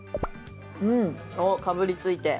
おっかぶりついて。